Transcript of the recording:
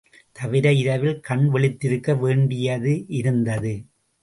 தவிர, இரவில் கண் விழித்திருக்க வேண்டியதிருந்தது.